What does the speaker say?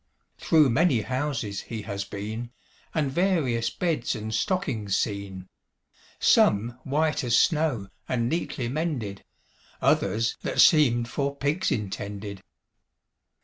Through many houses he has been, And various beds and stockings seen; Some, white as snow, and neatly mended, Others, that seemed for pigs intended.